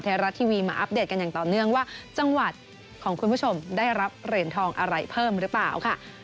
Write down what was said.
ไทยรัฐทีวีมาอัปเดตกันอย่างต่อเนื่องว่าจังหวัดของคุณผู้ชมได้รับเหรียญทองอะไรเพิ่มหรือเปล่าค่ะ